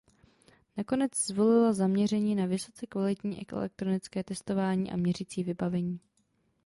Nakonec zvolila zaměření na vysoce kvalitní elektronické testovací a měřící vybavení.